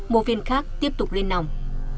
một viên khác tiếp tục lên nòng